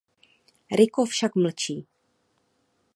Rico však mlčí.